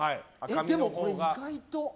でもこれ意外と。